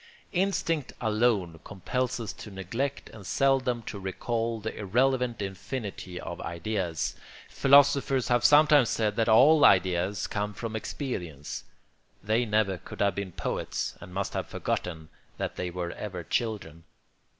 Instinct alone compels us to neglect and seldom to recall the irrelevant infinity of ideas. Philosophers have sometimes said that all ideas come from experience; they never could have been poets and must have forgotten that they were ever children.